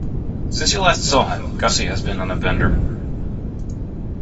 Since you last saw him, Gussie has been on a bender.